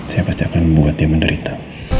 saya pasti akan membuat dia menderita